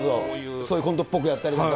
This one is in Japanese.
そういうコントっぽくやったり。